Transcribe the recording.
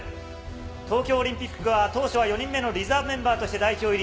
東京オリンピックは当初は４人目のリザーブメンバーとして代表入り。